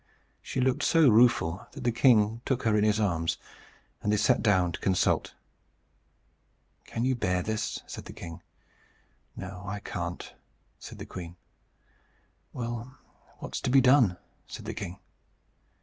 She looked so rueful, that the king took her in his arms; and they sat down to consult. "Can you bear this?" said the king. "No, I can't," said the queen. "Well, what's to be done?" said the king.